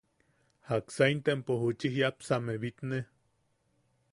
¿Jaksa intempo juchi jiʼapsame bitne?